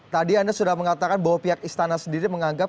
tadi anda sudah mengatakan bahwa pihak istana sendiri menganggap